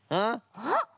あっ！